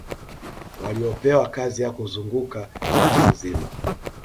waliopewa kazi ya kuzunguka nchi nzima